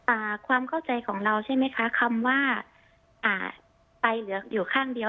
อ่าความเข้าใจของเราใช่ไหมคะคำว่าอ่าไปเหลืออยู่ข้างเดียว